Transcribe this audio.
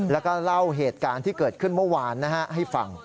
แล้วก็เล่าเหตุการณ์ที่เกิดขึ้นเมื่อวานให้ฟัง